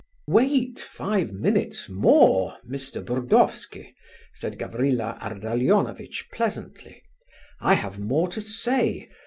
"Wait five minutes more, Mr. Burdovsky," said Gavrila Ardalionovitch pleasantly. "I have more to say.